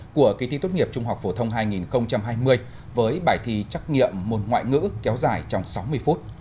của kỳ thi tốt nghiệp trung học phổ thông hai nghìn hai mươi với bài thi trắc nghiệm môn ngoại ngữ kéo dài trong sáu mươi phút